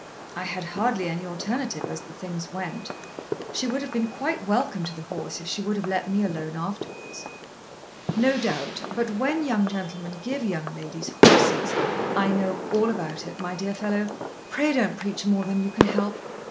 "I had hardly any alternative as the things went. She would have been quite welcome to the horse if she would have let me alone afterwards." "No doubt; but when young gentlemen give young ladies horses " "I know all about it, my dear fellow. Pray don't preach more than you can help.